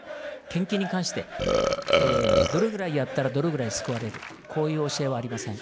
献金に関して、どれぐらいやったら、どれぐらい救われる、こういう教えはありません。